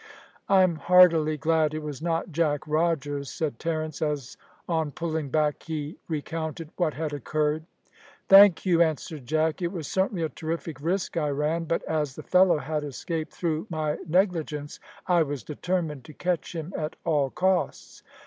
"I'm heartily glad it was not Jack Rogers," said Terence, as on pulling back he recounted what had occurred. "Thank you," answered Jack. "It was certainly a terrific risk I ran; but as the fellow had escaped through my negligence, I was determined to catch him at all costs."